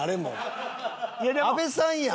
阿部さんやん！